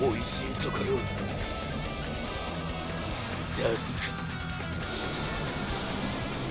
出すか。